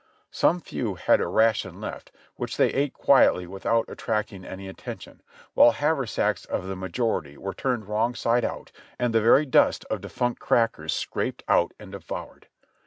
Some few had a ration left, which they ate quietly without attracting any attention, while haver sacks of the majority were turned wrong side out and the very dust of defunct crackers scraped out and devoured.